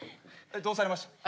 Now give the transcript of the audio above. どうされました？